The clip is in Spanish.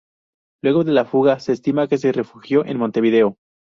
Luego de la fuga, se estima que se refugió en Montevideo.